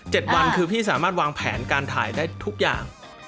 เห็นด้วย๗วันพี่สามารถวางแผนการถ่ายได้ทุกอย่าง